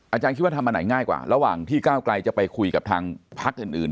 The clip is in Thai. อาจารย์คิดว่าทำอันไหนง่ายกว่าระหว่างที่ก้าวไกลจะไปคุยกับทางพักอื่น